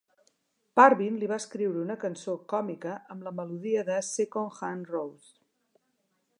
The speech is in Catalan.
Parvin li va escriure una cançó còmica amb la melodia de "Second Hand Rose".